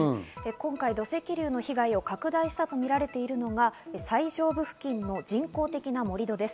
今回、土石流の被害を拡大したとみられているのが最上部付近の人工的な盛り土です。